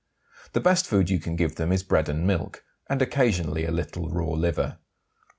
The best food you can give them is bread and milk, and occasionally a little raw liver.